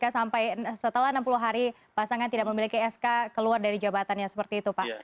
sampai setelah enam puluh hari pasangan tidak memiliki sk keluar dari jabatannya seperti itu pak